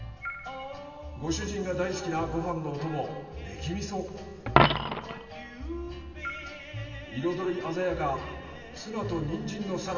ご主人が大好きなご飯のお供彩り鮮やか。